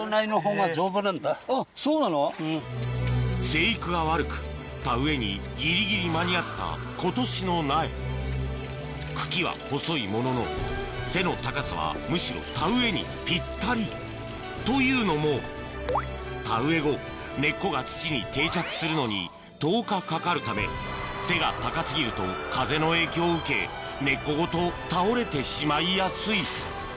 生育が悪く田植えにギリギリ間に合った今年の苗茎は細いものの背の高さはむしろ田植えにぴったりというのも田植え後根っこが土に定着するのに１０日かかるため背が高過ぎると風の影響を受け根っこごと倒れてしまいやすい